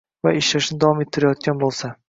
va ishlashni davom ettirayotgan bo‘lsa